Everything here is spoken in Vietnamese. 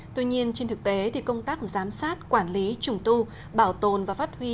tuy nhiên trên thực tế công tác giám sát quản lý trùng tu bảo tồn và phát huy